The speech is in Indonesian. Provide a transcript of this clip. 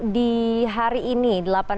di hari ini